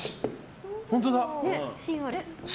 本当だ。